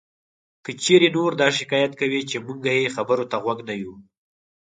که چېرې نور دا شکایت کوي چې مونږ یې خبرو ته غوږ نه یو